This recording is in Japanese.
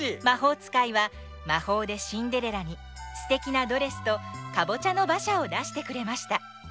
まほうつかいはまほうでシンデレラにすてきなドレスとかぼちゃのばしゃをだしてくれました